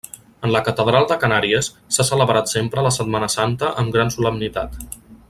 En la catedral de Canàries s'ha celebrat sempre la Setmana Santa amb gran solemnitat.